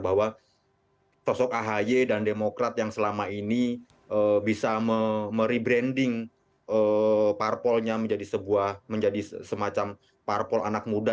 bahwa sosok ahy dan demokrat yang selama ini bisa merebranding parpolnya menjadi semacam parpol anak muda